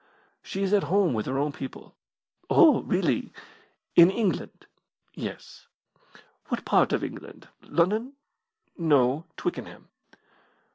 "She is at home with her own people." "Oh, really in England?" "Yes." "What part of England London?" "No, Twickenham."